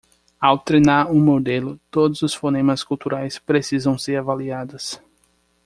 ao treinar um modelo todos os fonemas culturais precisam ser avaliados